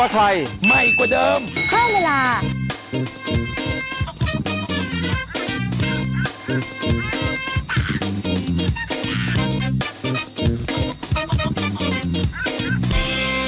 คุณแม่คุณแม่